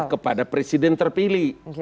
kepada presiden terpilih